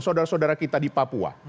saudara saudara kita di papua